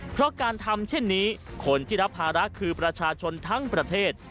เพราะการทำเช่นนี้คนที่รับภาระคือประชาชนทั้งประเทศ